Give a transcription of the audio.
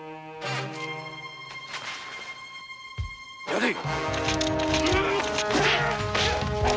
やれ！